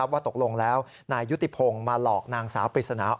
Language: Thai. ว่าตกลงแล้วนายยุติพงศ์มาหลอกนางสาวปริศนา